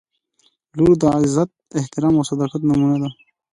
• لور د عزت، احترام او صداقت نمونه ده.